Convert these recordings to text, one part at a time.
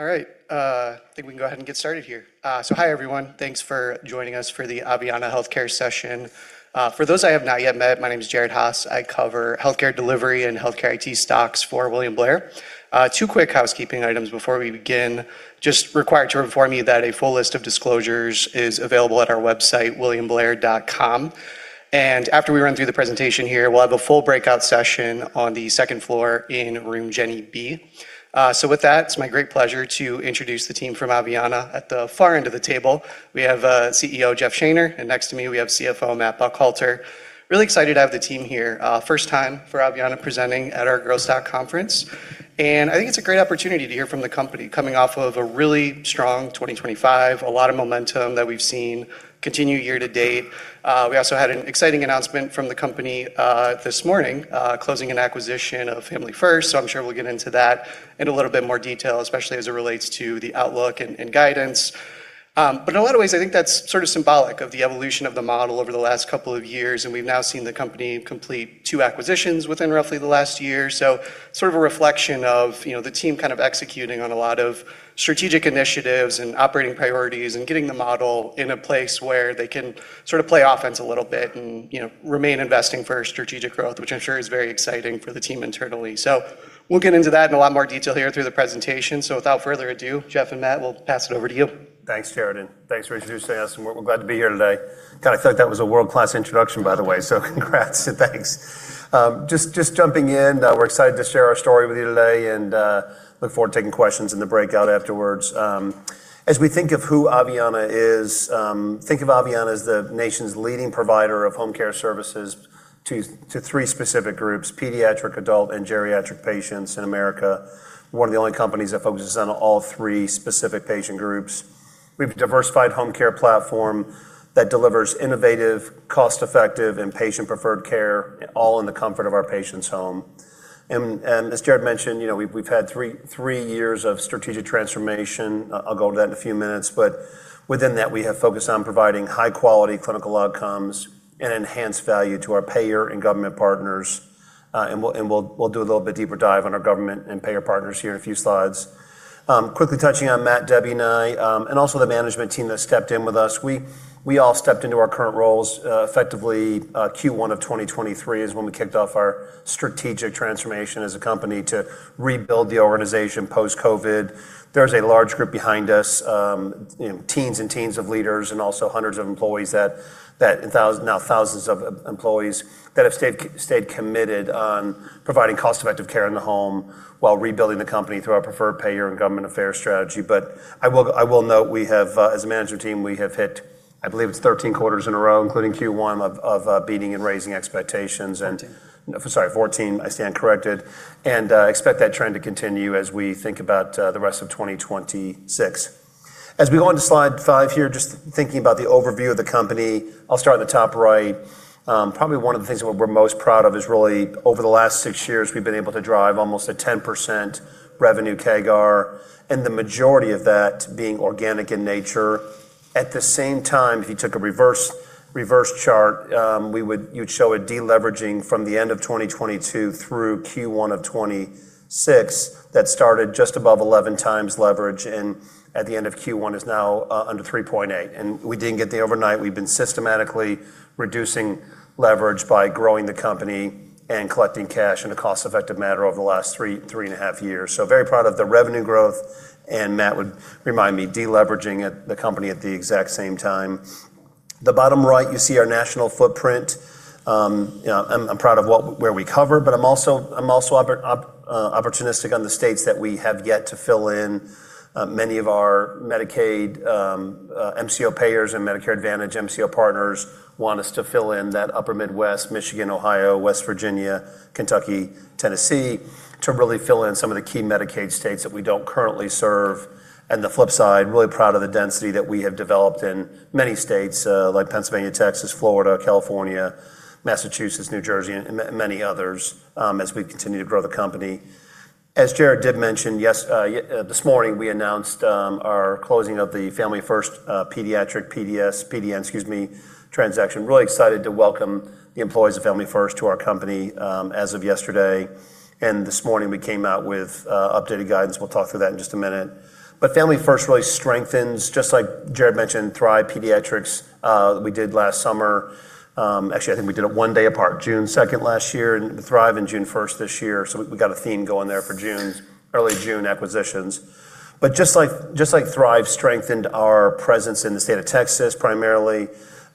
All right. I think we can go ahead and get started here. Hi everyone. Thanks for joining us for the Aveanna Healthcare session. For those I have not yet met, my name is Jared Haase. I cover healthcare delivery and healthcare IT stocks for William Blair. Two quick housekeeping items before we begin. Just required to inform you that a full list of disclosures is available at our website, williamblair.com. After we run through the presentation here, we'll have a full breakout session on the second floor in room Jenney B. With that, it's my great pleasure to introduce the team from Aveanna. At the far end of the table, we have CEO Jeff Shaner, and next to me we have CFO Matt Buckhalter. Really excited to have the team here. First time for Aveanna presenting at our Growth Stock Conference. I think it's a great opportunity to hear from the company coming off of a really strong 2025. A lot of momentum that we've seen continue year to date. We also had an exciting announcement from the company this morning closing an acquisition of Family First. I'm sure we'll get into that in a little bit more detail, especially as it relates to the outlook and guidance. In a lot of ways, I think that's sort of symbolic of the evolution of the model over the last couple of years, and we've now seen the company complete two acquisitions within roughly the last year. Sort of a reflection of the team kind of executing on a lot of strategic initiatives and operating priorities and getting the model in a place where they can sort of play offense a little bit and remain investing for strategic growth, which I'm sure is very exciting for the team internally. We'll get into that in a lot more detail here through the presentation. Without further ado, Jeff and Matt, we'll pass it over to you. Thanks, Jared, thanks for introducing us, and we're glad to be here today. God, I thought that was a world-class introduction, by the way, so congrats and thanks. Just jumping in, we're excited to share our story with you today and look forward to taking questions in the breakout afterwards. As we think of who Aveanna is, think of Aveanna as the nation's leading provider of home care services to three specific groups, pediatric, adult, and geriatric patients in America. One of the only companies that focuses on all three specific patient groups. We've a diversified home care platform that delivers innovative, cost-effective, and patient-preferred care, all in the comfort of our patient's home. As Jared mentioned, we've had three years of strategic transformation. I'll go over that in a few minutes. Within that, we have focused on providing high-quality clinical outcomes and enhanced value to our payer and government partners. We'll do a little bit deeper dive on our government and payer partners here in a few slides. Quickly touching on Matt, Debbie, and I, and also the management team that stepped in with us. We all stepped into our current roles effectively Q1 of 2023 is when we kicked off our strategic transformation as a company to rebuild the organization post-COVID. There's a large group behind us, teams of leaders and also hundreds of employees, now thousands of employees that have stayed committed on providing cost-effective care in the home while rebuilding the company through our preferred payer and government affairs strategy. I will note, as a management team, we have hit, I believe it's 13 quarters in a row, including Q1, of beating and raising expectations. Sorry, 14. I stand corrected. Expect that trend to continue as we think about the rest of 2026. As we go on to slide five here, just thinking about the overview of the company, I'll start at the top right. Probably one of the things that we're most proud of is really over the last six years, we've been able to drive almost a 10% revenue CAGR, and the majority of that being organic in nature. At the same time, if you took a reverse chart, you'd show a de-leveraging from the end of 2022 through Q1 of 2026 that started just above 11 times leverage and at the end of Q1 is now under 3.8. We didn't get there overnight. We've been systematically reducing leverage by growing the company and collecting cash in a cost-effective manner over the last three and a half years. Very proud of the revenue growth, and Matt would remind me, de-leveraging the company at the exact same time. The bottom right, you see our national footprint. I'm proud of where we cover, but I'm also opportunistic on the states that we have yet to fill in. Many of our Medicaid MCO payers and Medicare Advantage MCO partners want us to fill in that upper Midwest, Michigan, Ohio, West Virginia, Kentucky, Tennessee, to really fill in some of the key Medicaid states that we don't currently serve. On the flip side, really proud of the density that we have developed in many states, like Pennsylvania, Texas, Florida, California, Massachusetts, New Jersey, and many others as we continue to grow the company. As Jared did mention, this morning we announced our closing of the Family First Homecare PDS, PDN, excuse me, transaction. Really excited to welcome the employees of Family First to our company as of yesterday. This morning we came out with updated guidance. We'll talk through that in just a minute. Family First really strengthens, just like Jared mentioned, Thrive Pediatrics, that we did last summer. Actually, I think we did it one day apart, June 2nd last year, Thrive. June 1st this year. We've got a theme going there for early June acquisitions. Just like Thrive strengthened our presence in the state of Texas, primarily.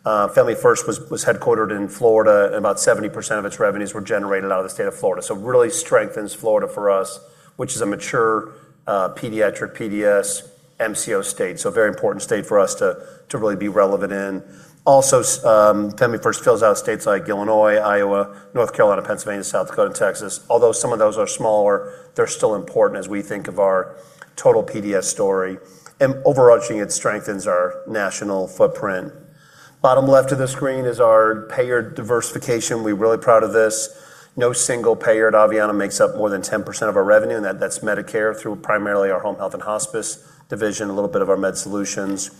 Family First was headquartered in Florida. About 70% of its revenues were generated out of the state of Florida. Really strengthens Florida for us, which is a mature pediatric PDS MCO state. A very important state for us to really be relevant in. Also, Family First fills out states like Illinois, Iowa, North Carolina, Pennsylvania, South Dakota, and Texas. Although some of those are smaller, they're still important as we think of our total PDS story. Overarching, it strengthens our national footprint. Bottom left of the screen is our payer diversification. We're really proud of this. No single payer at Aveanna makes up more than 10% of our revenue, and that's Medicare through primarily our Home Health & Hospice division, a little bit of our Medical Solutions.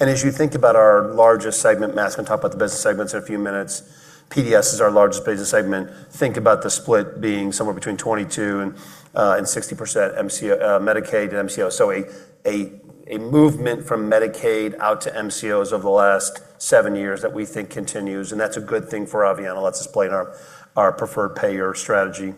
As you think about our largest segment, Matt's going to talk about the business segments in a few minutes, PDS is our largest business segment. Think about the split being somewhere between 22%-60% Medicaid and MCO. A movement from Medicaid out to MCOs over the last seven years that we think continues, and that's a good thing for Aveanna. Let's explain our preferred payer strategy.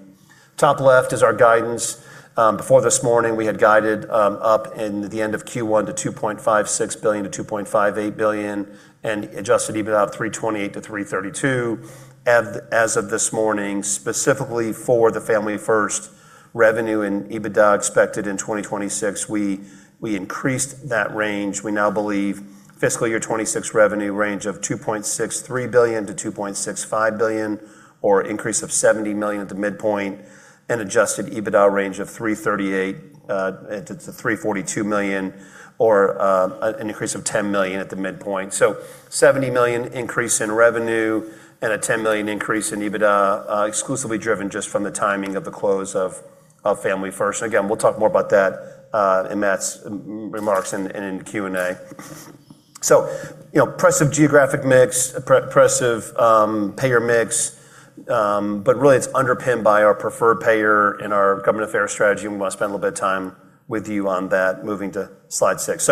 Top left is our guidance. Before this morning, we had guided up in the end of Q1 to $2.56 billion-$2.58 billion and adjusted EBITDA of $328 million-$332 million. As of this morning, specifically for the Family First revenue and EBITDA expected in 2026, we increased that range. We now believe fiscal year 2026 revenue range of $2.63 billion-$2.65 billion, or increase of $70 million at the midpoint and adjusted EBITDA range of $338 million-$342 million or an increase of $10 million at the midpoint. $70 million increase in revenue and a $10 million increase in EBITDA, exclusively driven just from the timing of the close of Family First. Again, we'll talk more about that in Matt's remarks and in Q&A. Impressive geographic mix, impressive payer mix. Really it's underpinned by our preferred payer and our government affairs strategy, and we want to spend a little bit of time with you on that. Moving to slide six.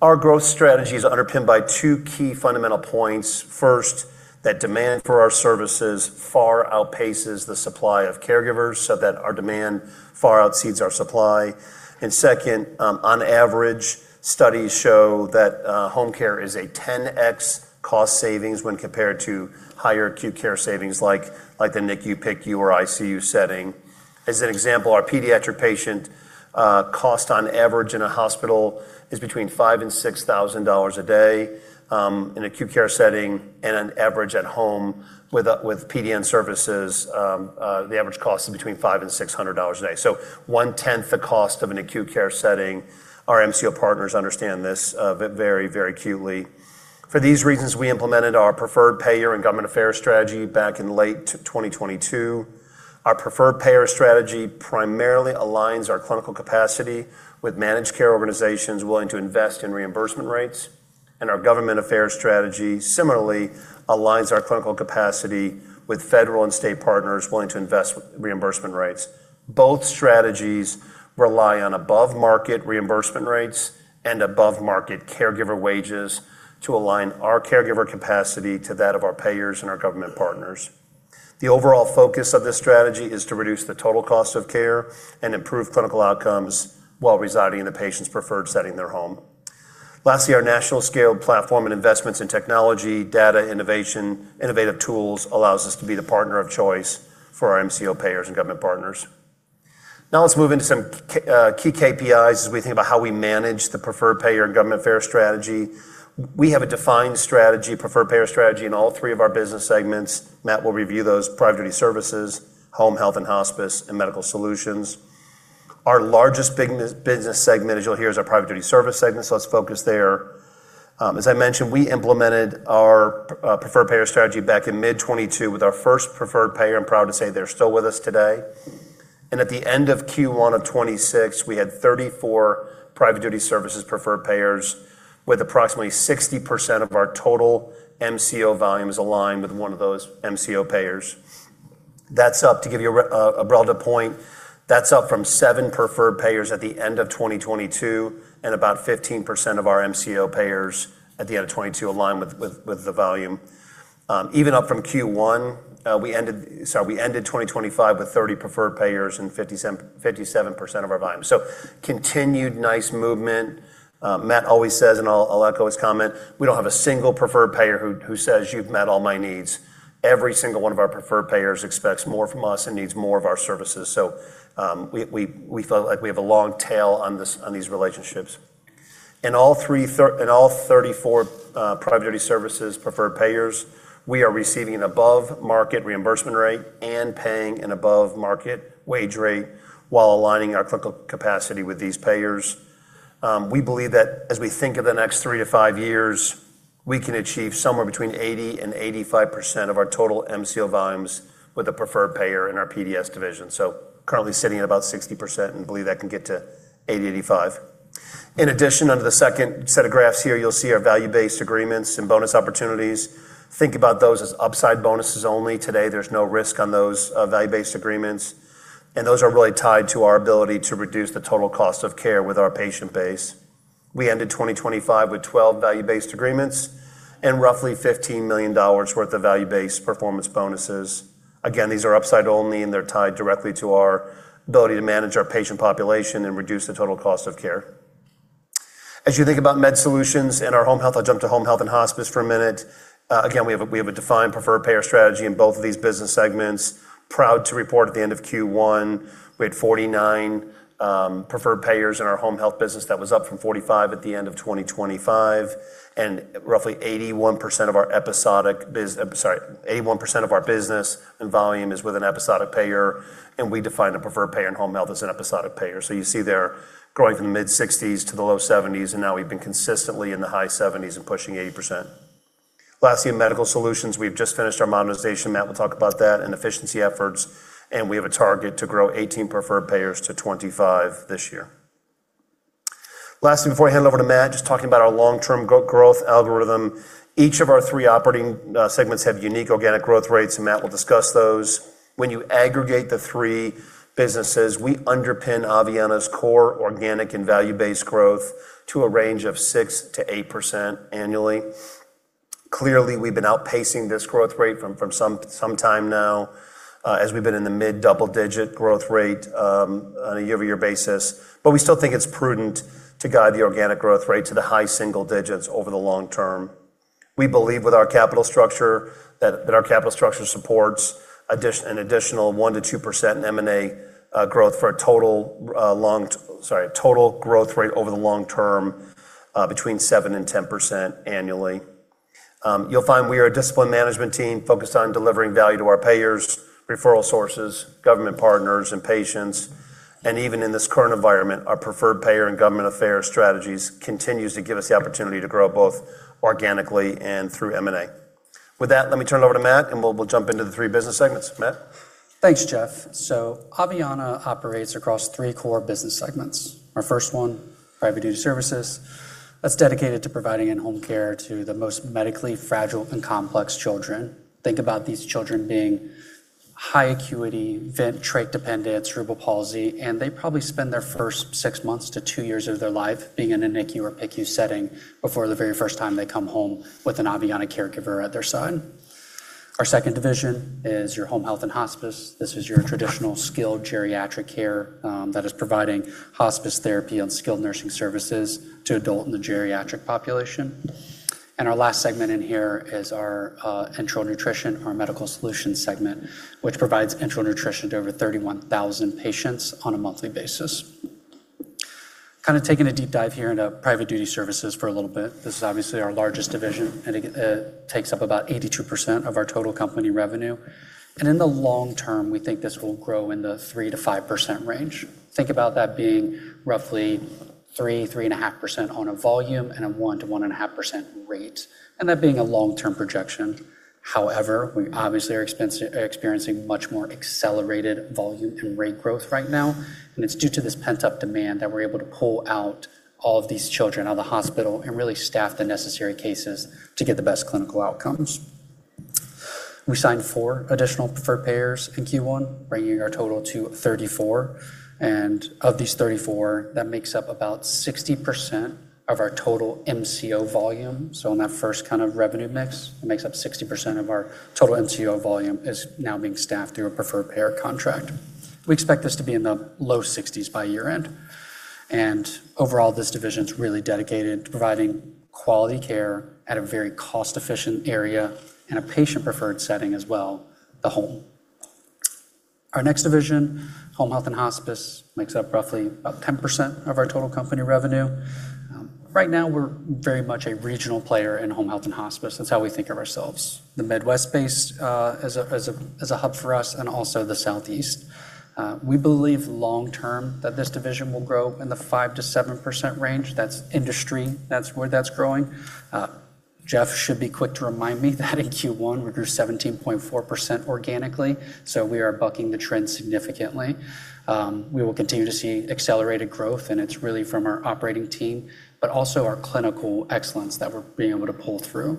Our growth strategy is underpinned by two key fundamental points. First, that demand for our services far outpaces the supply of caregivers, so that our demand far exceeds our supply. Second, on average, studies show that home care is a 10x cost savings when compared to higher acute care savings like the NICU, PICU, or ICU setting. As an example, our pediatric patient cost on average in a hospital is between $5,000 and $6,000 a day, in acute care setting and an average at home with PDN services, the average cost is between $500 and $600 a day. One tenth the cost of an acute care setting. Our MCO partners understand this very acutely. For these reasons, we implemented our preferred payer and government affairs strategy back in late 2022. Our preferred payer strategy primarily aligns our clinical capacity with managed care organizations willing to invest in reimbursement rates. Our government affairs strategy similarly aligns our clinical capacity with federal and state partners willing to invest reimbursement rates. Both strategies rely on above-market reimbursement rates and above-market caregiver wages to align our caregiver capacity to that of our payers and our government partners. The overall focus of this strategy is to reduce the total cost of care and improve clinical outcomes while residing in the patient's preferred setting, their home. Lastly, our national scaled platform and investments in technology, data innovation, innovative tools, allows us to be the partner of choice for our MCO payers and government partners. Now let's move into some key KPIs as we think about how we manage the preferred payer and government affairs strategy. We have a defined preferred payer strategy in all three of our business segments. Matt will review those, Private Duty Services, Home Health & Hospice, and Medical Solutions. Our largest business segment, as you'll hear, is our Private Duty Services segment, so let's focus there. As I mentioned, we implemented our preferred payer strategy back in mid 2022 with our first preferred payer. I'm proud to say they're still with us today. At the end of Q1 of 2026, we had 34 Private Duty Services preferred payers with approximately 60% of our total MCO volumes aligned with one of those MCO payers. To give you a relative point, that's up from seven preferred payers at the end of 2022, and about 15% of our MCO payers at the end of 2022 align with the volume. Even up from Q1, we ended 2025 with 30 preferred payers and 57% of our volume. Continued nice movement. Matt always says, and I'll echo his comment, "We don't have a single preferred payer who says you've met all my needs." Every single one of our preferred payers expects more from us and needs more of our services. We feel like we have a long tail on these relationships. In all 34 Private Duty Services preferred payers, we are receiving an above-market reimbursement rate and paying an above-market wage rate while aligning our clinical capacity with these payers. We believe that as we think of the next three to five years, we can achieve somewhere between 80% and 85% of our total MCO volumes with a preferred payer in our PDS division. Currently sitting at about 60% and believe that can get to 80, 85. In addition, under the second set of graphs here, you'll see our value-based agreements and bonus opportunities. Think about those as upside bonuses only. Today, there's no risk on those value-based agreements, and those are really tied to our ability to reduce the total cost of care with our patient base. We ended 2025 with 12 value-based agreements and roughly $15 million worth of value-based performance bonuses. Again, these are upside only, and they're tied directly to our ability to manage our patient population and reduce the total cost of care. As you think about Medical Solutions and our Home Health, I'll jump to Home Health & Hospice for a minute. Again, we have a defined preferred payer strategy in both of these business segments. Proud to report at the end of Q1, we had 49 preferred payers in our Home Health business. That was up from 45 at the end of 2025. Roughly 81% of our business and volume is with an episodic payer, and we define a preferred payer in Home Health as an episodic payer. You see there, growing from the mid-60s to the low 70s, and now we've been consistently in the high 70s and pushing 80%. Lastly, in Medical Solutions, we've just finished our modernization. Matt will talk about that and efficiency efforts, and we have a target to grow 18 preferred payers to 25 this year. Before I hand it over to Matt, just talking about our long-term growth algorithm. Each of our three operating segments have unique organic growth rates, and Matt will discuss those. When you aggregate the three businesses, we underpin Aveanna Healthcare's core organic and value-based growth to a range of 6%-8% annually. Clearly, we've been outpacing this growth rate from some time now, as we've been in the mid-double-digit growth rate on a year-over-year basis. We still think it's prudent to guide the organic growth rate to the high single digits over the long term. We believe that our capital structure supports an additional 1%-2% in M&A growth for a total growth rate over the long term between 7% and 10% annually. You'll find we are a disciplined management team focused on delivering value to our payers, referral sources, government partners, and patients. Even in this current environment, our preferred payer and government affairs strategies continues to give us the opportunity to grow both organically and through M&A. With that, let me turn it over to Matt, and we'll jump into the three business segments. Matt? Thanks, Jeff. Aveanna operates across three core business segments. Our first one, Private Duty Services. That's dedicated to providing in-home care to the most medically fragile and complex children. Think about these children being high acuity, vent/trach dependent, cerebral palsy, and they probably spend their first six months to two years of their life being in a NICU or PICU setting before the very first time they come home with an Aveanna caregiver at their side. Our second division is your Home Health & Hospice. This is your traditional skilled geriatric care that is providing hospice therapy and skilled nursing services to adult and the geriatric population. Our last segment in here is our enteral nutrition, our Medical Solutions segment, which provides enteral nutrition to over 31,000 patients on a monthly basis. Kind of taking a deep dive here into Private Duty Services for a little bit. This is obviously our largest division, and it takes up about 82% of our total company revenue. In the long term, we think this will grow in the 3%-5% range. Think about that being roughly 3%, 3.5% on a volume and a 1%-1.5% rate, and that being a long-term projection. However, we obviously are experiencing much more accelerated volume and rate growth right now, and it's due to this pent-up demand that we're able to pull out all of these children out of the hospital and really staff the necessary cases to get the best clinical outcomes. We signed four additional preferred payers in Q1, bringing our total to 34, and of these 34, that makes up about 60% of our total MCO volume. In that first kind of revenue mix, it makes up 60% of our total MCO volume is now being staffed through a preferred payer contract. We expect this to be in the low 60s by year-end. Overall, this division's really dedicated to providing quality care at a very cost-efficient area in a patient-preferred setting as well, the home. Our next division, Home Health & Hospice, makes up roughly about 10% of our total company revenue. Right now, we're very much a regional player in Home Health & Hospice. That's how we think of ourselves. The Midwest base as a hub for us, and also the Southeast. We believe long term that this division will grow in the 5%-7% range. That's industry. That's where that's growing. Jeff should be quick to remind me that in Q1, we grew 17.4% organically, so we are bucking the trend significantly. We will continue to see accelerated growth, and it's really from our operating team, but also our clinical excellence that we're being able to pull through.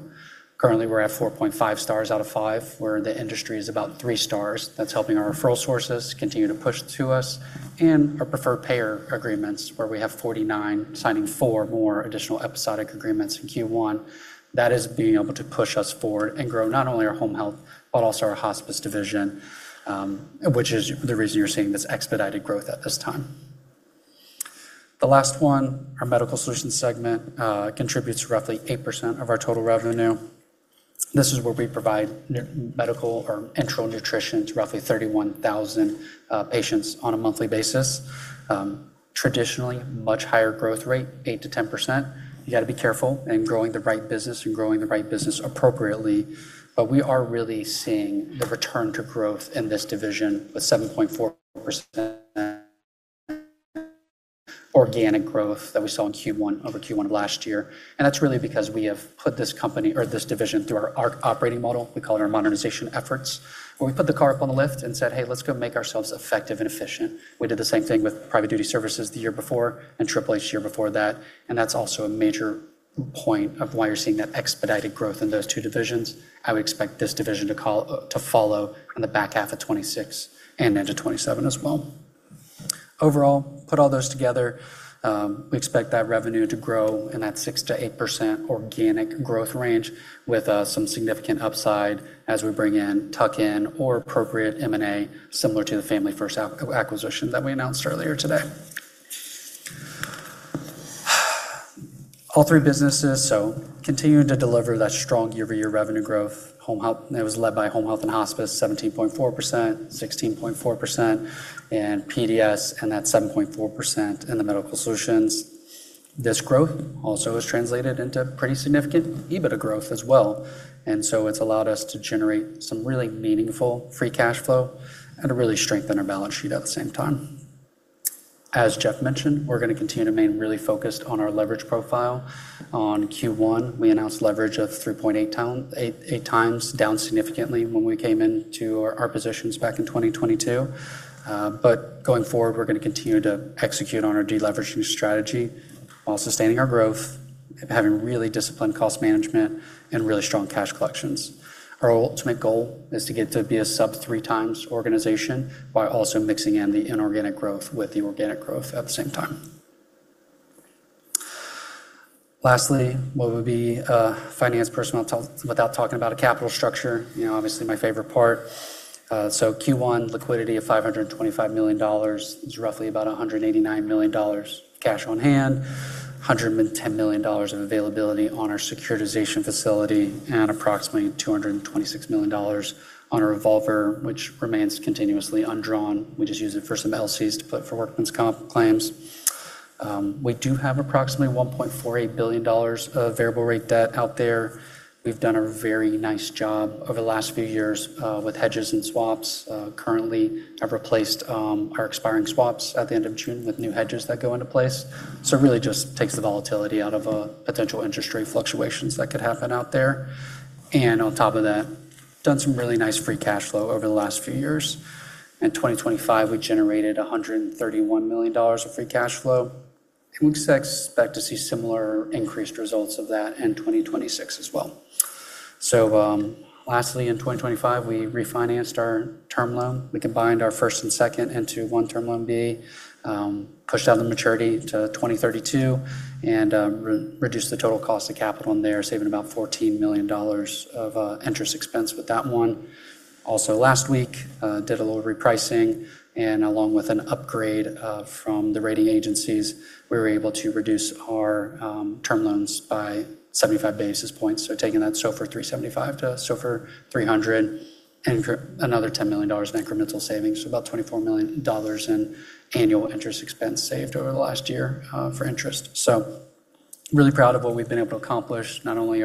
Currently, we're at 4.5 stars out of five, where the industry is about three stars. That's helping our referral sources continue to push to us and our preferred payer agreements, where we have 49 signing four more additional episodic agreements in Q1. That is being able to push us forward and grow not only our Home Health, but also our Hospice division, which is the reason you're seeing this expedited growth at this time. The last one, our Medical Solutions segment, contributes roughly 8% of our total revenue. This is where we provide medical or enteral nutrition to roughly 31,000 patients on a monthly basis. Traditionally, much higher growth rate, 8%-10%. You got to be careful in growing the right business and growing the right business appropriately. We are really seeing the return to growth in this division with 7.4% organic growth that we saw over Q1 of last year. That's really because we have put this division through our operating model. We call it our modernization efforts, where we put the car up on the lift and said, "Hey, let's go make ourselves effective and efficient." We did the same thing with Private Duty Services the year before and Triple H the year before that, and that's also a major point of why you're seeing that expedited growth in those two divisions. I would expect this division to follow on the back half of 2026 and into 2027 as well. Overall, put all those together, we expect that revenue to grow in that 6%-8% organic growth range with some significant upside as we bring in tuck-in or appropriate M&A similar to the Family First acquisition that we announced earlier today. All three businesses, so continuing to deliver that strong year-over-year revenue growth. It was led by Home Health & Hospice, 17.4%, 16.4% in PDS, and that 7.4% in the Medical Solutions. This growth also has translated into pretty significant EBITDA growth as well, and so it's allowed us to generate some really meaningful free cash flow and to really strengthen our balance sheet at the same time. As Jeff mentioned, we're going to continue to remain really focused on our leverage profile. On Q1, we announced leverage of 3.8x, down significantly when we came into our positions back in 2022. Going forward, we're going to continue to execute on our de-leveraging strategy while sustaining our growth, having really disciplined cost management, and really strong cash collections. Our ultimate goal is to get to be a sub-three times organization while also mixing in the inorganic growth with the organic growth at the same time. Lastly, what would be a finance person without talking about a capital structure? Obviously my favorite part. Q1 liquidity of $525 million is roughly about $189 million cash on hand, $110 million of availability on our securitization facility, and approximately $226 million on our revolver, which remains continuously undrawn. We just use it for some LCs to put for workman's comp claims. We do have approximately $1.48 billion of variable rate debt out there. We've done a very nice job over the last few years with hedges and swaps. Currently, have replaced our expiring swaps at the end of June with new hedges that go into place. It really just takes the volatility out of potential interest rate fluctuations that could happen out there. On top of that, done some really nice free cash flow over the last few years. In 2025, we generated $131 million of free cash flow, and we expect to see similar increased results of that in 2026 as well. Lastly, in 2025, we refinanced our term loan. We combined our first and second into one Term Loan B, pushed out the maturity to 2032, and reduced the total cost of capital in there, saving about $14 million of interest expense with that one. Also last week, did a little repricing, and along with an upgrade from the rating agencies, we were able to reduce our term loans by 75 basis points. Taking that SOFR 375 to SOFR 300, another $10 million of incremental savings. About $24 million in annual interest expense saved over the last year for interest. Really proud of what we've been able to accomplish, not only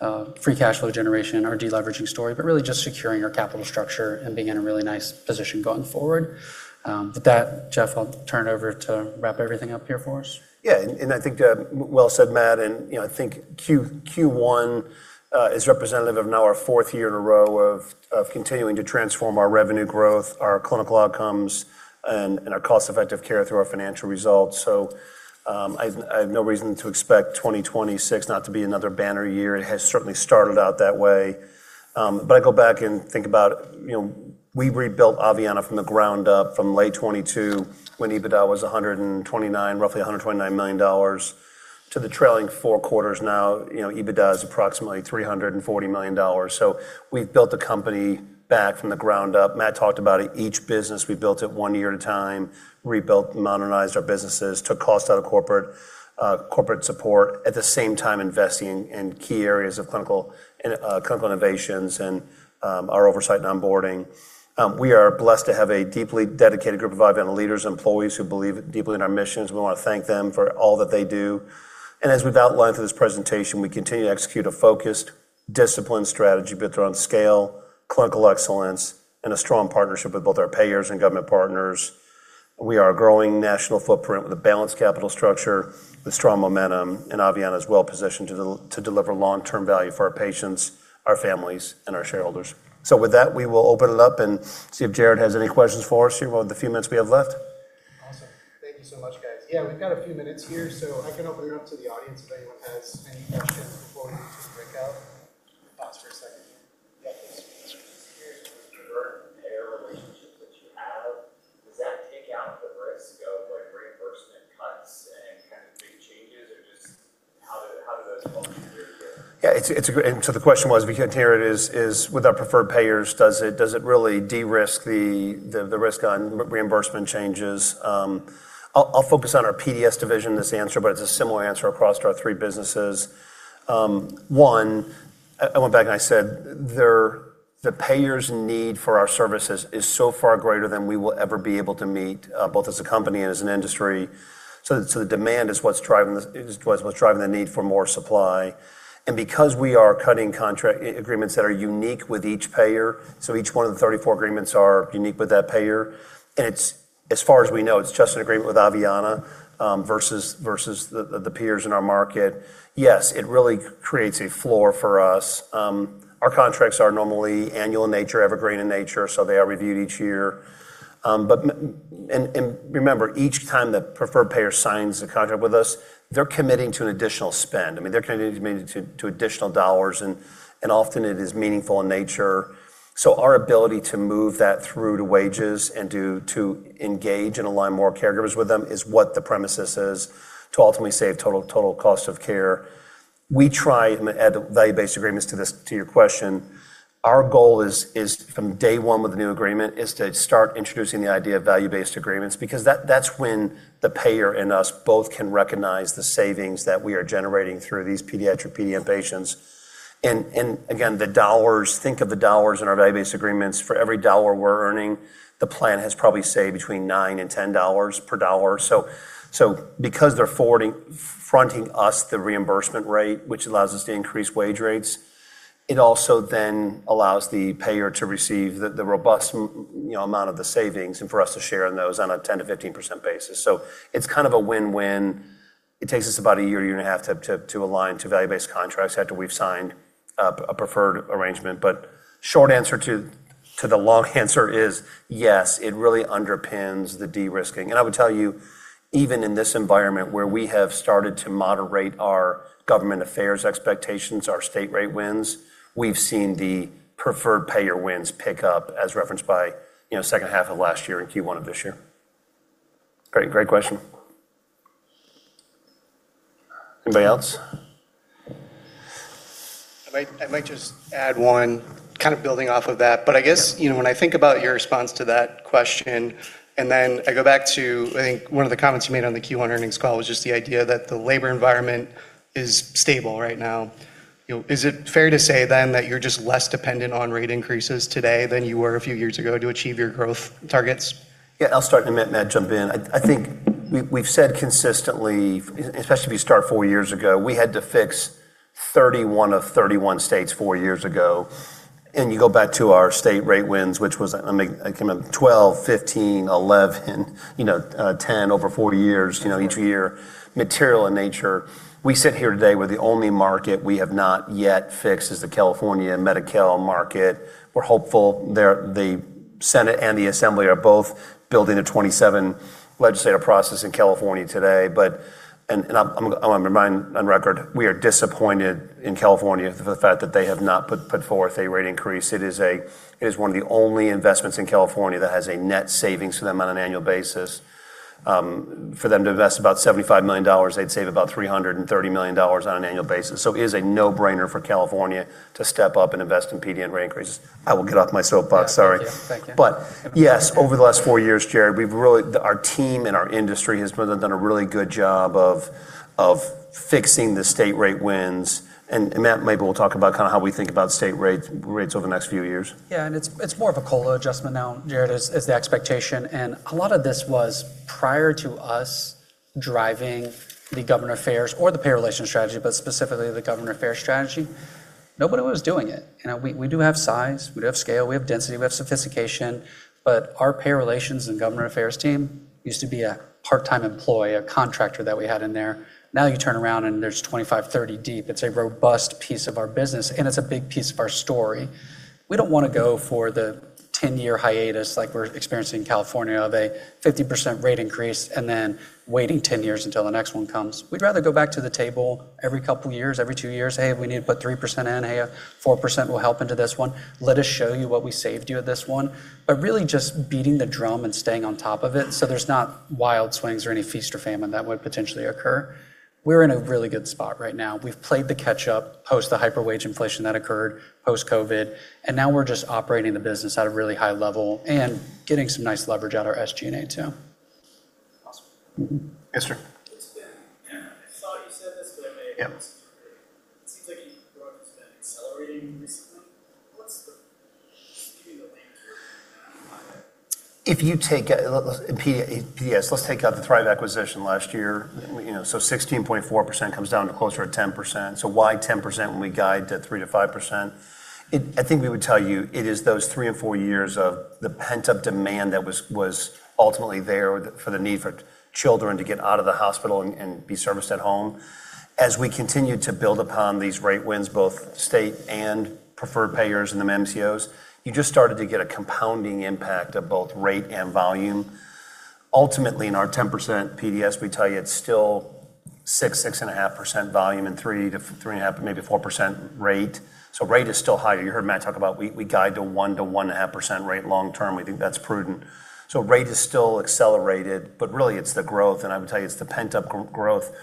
our free cash flow generation and our de-leveraging story, but really just securing our capital structure and being in a really nice position going forward. With that, Jeff, I'll turn it over to wrap everything up here for us. I think well said, Matt, and I think Q1 is representative of now our fourth year in a row of continuing to transform our revenue growth, our clinical outcomes, and our cost-effective care through our financial results. I have no reason to expect 2026 not to be another banner year. It has certainly started out that way. I go back and think about we rebuilt Aveanna from the ground up from late 2022 when EBITDA was roughly $129 million, to the trailing four quarters. Now, EBITDA is approximately $340 million. We've built the company back from the ground up. Matt talked about it, each business, we built it one year at a time, rebuilt, modernized our businesses, took cost out of corporate support, at the same time, investing in key areas of clinical innovations and our oversight and onboarding. We are blessed to have a deeply dedicated group of Aveanna leaders and employees who believe deeply in our missions. We want to thank them for all that they do. As we've outlined through this presentation, we continue to execute a focused, disciplined strategy built around scale, clinical excellence, and a strong partnership with both our payers and government partners. We are a growing national footprint with a balanced capital structure, with strong momentum, and Aveanna is well positioned to deliver long-term value for our patients, our families, and our shareholders. With that, we will open it up and see if Jared has any questions for us here with the few minutes we have left. Awesome. Thank you so much, guys. Yeah, we've got a few minutes here, so I can open it up to the audience if anyone has any questions before we break out. Pause for a second. Yeah, please. The preferred payer relationships that you have, does that take out the risk of reimbursement cuts and big changes or just how? The question was, if we can't hear it, is with our preferred payers, does it really de-risk the risk on reimbursement changes? I'll focus on our PDS division, this answer, but it's a similar answer across our three businesses. One, I went back and I said, the payer's need for our services is so far greater than we will ever be able to meet, both as a company and as an industry. The demand is what's driving the need for more supply. Because we are cutting contract agreements that are unique with each payer, so each one of the 34 agreements are unique with that payer, and as far as we know, it's just an agreement with Aveanna versus the peers in our market. Yes, it really creates a floor for us. Our contracts are normally annual in nature, evergreen in nature, so they are reviewed each year. remember, each time the preferred payer signs a contract with us, they're committing to an additional spend. I mean, they're committing to additional dollars, and often it is meaningful in nature. our ability to move that through to wages and to engage and align more caregivers with them is what the premises is to ultimately save total cost of care. We try, and add value-based agreements to your question, our goal from day one with the new agreement is to start introducing the idea of value-based agreements because that's when the payer and us both can recognize the savings that we are generating through these pediatric PDN patients. again, think of the dollars in our value-based agreements. For every dollar we're earning, the plan has probably saved between $9 and $10 per dollar. Because they're fronting us the reimbursement rate, which allows us to increase wage rates. It also then allows the payer to receive the robust amount of the savings and for us to share in those on a 10%-15% basis. It's kind of a win-win. It takes us about a year and a half to align to value-based agreements after we've signed a preferred arrangement. Short answer to the long answer is yes, it really underpins the de-risking. I would tell you, even in this environment where we have started to moderate our government affairs expectations, our state rate wins, we've seen the preferred payer wins pick up as referenced by second half of last year and Q1 of this year. Great question. Anybody else? I might just add one, kind of building off of that. I guess, when I think about your response to that question, and then I go back to, I think, one of the comments you made on the Q1 earnings call was just the idea that the labor environment is stable right now. Is it fair to say then that you're just less dependent on rate increases today than you were a few years ago to achieve your growth targets? Yeah, I'll start and then Matt jump in. I think we've said consistently, especially if you start four years ago, we had to fix 31 of 31 states four years ago, and you go back to our state rate wins, which was, I can't remember, 12, 15, 11, 10 over four years, each year, material in nature. We sit here today where the only market we have not yet fixed is the California Medi-Cal market. We're hopeful the Senate and the Assembly are both building a 2027 legislative process in California today. I'm going to remind on record, we are disappointed in California for the fact that they have not put forth a rate increase. It is one of the only investments in California that has a net savings to them on an annual basis. For them to invest about $75 million, they'd save about $330 million on an annual basis. It is a no-brainer for California to step up and invest in PDN rate increases. I will get off my soapbox, sorry. Yeah. Thank you. Yes, over the last four years, Jared, our team and our industry has done a really good job of fixing the state rate wins, and Matt maybe will talk about kind of how we think about state rates over the next few years. Yeah, it's more of a COLA adjustment now, Jared, is the expectation, and a lot of this was prior to us driving the Government Affairs or the Payer Relations strategy, but specifically the Government Affairs strategy. Nobody was doing it. We do have size, we do have scale, we have density, we have sophistication, but our Payer Relations and Government Affairs team used to be a part-time employee, a contractor that we had in there. Now you turn around and there's 25, 30 deep. It's a robust piece of our business, and it's a big piece of our story. We don't want to go for the 10-year hiatus like we're experiencing in California of a 50% rate increase and then waiting 10 years until the next one comes. We'd rather go back to the table every couple of years, every two years. "Hey, we need to put 3% in. Hey, 4% will help into this one. Let us show you what we saved you with this one. Really just beating the drum and staying on top of it, so there's not wild swings or any feast or famine that would potentially occur. We're in a really good spot right now. We've played the catch up, post the hyper wage inflation that occurred, post-COVID, and now we're just operating the business at a really high level and getting some nice leverage out our SG&A too. Awesome. Yes, sir. I saw you said this, but I may have missed it earlier. Yeah. It seems like your growth has been accelerating recently. What's the key to that? If you take PDS, let's take out the Thrive acquisition last year, 16.4% comes down to closer to 10%. Why 10% when we guide to 3%-5%? I think we would tell you it is those three and four years of the pent-up demand that was ultimately there for the need for children to get out of the hospital and be serviced at home. As we continued to build upon these rate wins, both state and preferred payers and the MCOs, you just started to get a compounding impact of both rate and volume. Ultimately, in our 10% PDS, we tell you it's still 6%-6.5% volume and 3%-3.5%, maybe 4% rate. Rate is still high. You heard Matt talk about we guide to 1%-1.5% rate long term. We think that's prudent. Rate is still accelerated, but really it's the growth, and I would tell you it's the pent-up growth.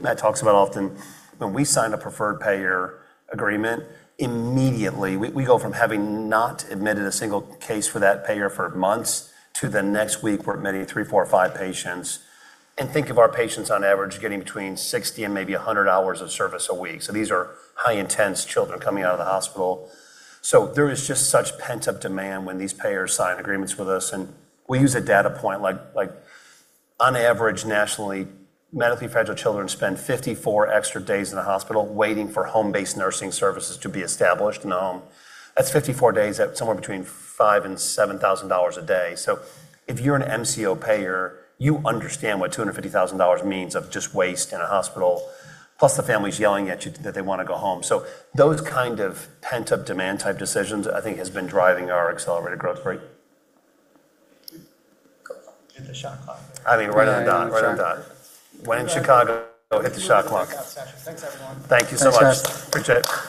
Matt talks about often, when we sign a preferred payer agreement, immediately we go from having not admitted a single case for that payer for months to the next week, we're admitting three, four, or five patients. Think of our patients on average getting between 60 and maybe 100 hours of service a week. These are high intense children coming out of the hospital. There is just such pent-up demand when these payers sign agreements with us, and we use a data point like on average, nationally, medically fragile children spend 54 extra days in the hospital waiting for home-based nursing services to be established in a home. That's 54 days at somewhere between $5,000 and $7,000 a day. If you're an MCO payer, you understand what $250,000 means of just waste in a hospital, plus the family's yelling at you that they want to go home. Those kind of pent-up demand type decisions, I think, has been driving our accelerated growth. Great. Hit the shot clock. I mean, right on the dot. Right on the dot. When in Chicago, hit the shot clock. Thanks, everyone. Thank you so much. Thanks, guys. Appreciate it.